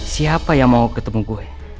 siapa yang mau ketemu gue